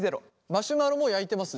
マシュマロも焼いてますね